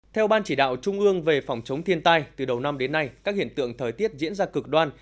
theo ban chỉ đạo trung ương về phòng chống thiên tai từ đầu năm đến nay các hiện tượng thời tiết diễn ra cực đoan